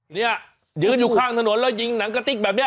เนี่ยยืนอยู่ข้างถนนแล้วยิงหนังกะติ๊กแบบนี้